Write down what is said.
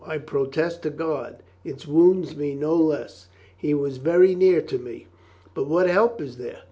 I protest to God, It wounds me no less. He was very near to me. But what help is there?